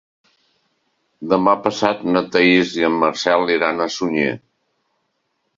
Demà passat na Thaís i en Marcel iran a Sunyer.